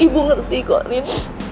ibu ngerti korin